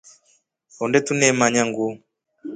Honde tunemanya nguu.